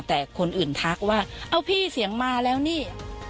แต่คนอื่นทักว่าเอ้าพี่เสียงมาแล้วนี่